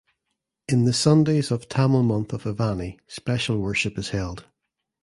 In the Sundays of Tamil month of Avani special worship is held.